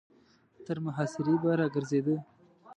تر محاصرې به را ګرځېده.